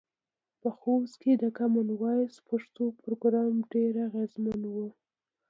په خوست کې د کامن وایس پښتو پروګرام ډیر اغیزمن و.